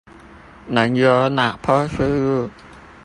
能有腦波輸入